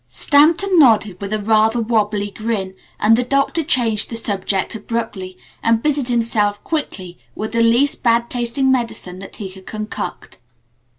Stanton nodded with a rather wobbly grin, and the Doctor changed the subject abruptly, and busied himself quickly with the least bad tasting medicine that he could concoct.